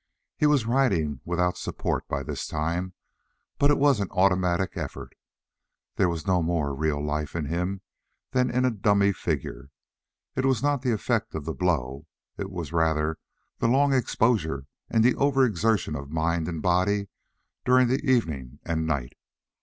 He was riding without support by this time, but it was an automatic effort. There was no more real life in him than in a dummy figure. It was not the effect of the blow. It was rather the long exposure and the overexertion of mind and body during the evening and night.